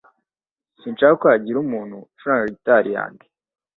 Sinshaka ko hagira umuntu ucuranga gitari yanjye.